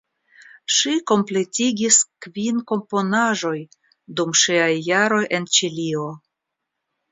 Ŝi kompletigis kvin komponaĵoj dum ŝiaj jaroj en Ĉilio.